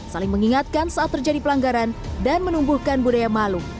saling mengingatkan saat terjadi pelanggaran dan menumbuhkan budaya malu